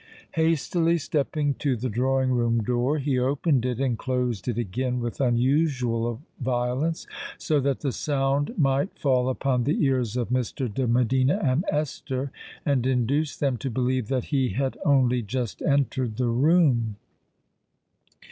Hastily stepping to the drawing room door, he opened it and closed it again with unusual violence, so that the sound might fall upon the ears of Mr. de Medina and Esther, and induce them to believe that he had only just entered the room.